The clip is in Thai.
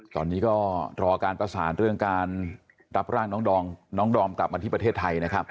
ตอนนี้ก็รอการประสานเรื่องการรับร่างน้องดอมกลับมาที่ประเทศไทยนะครับ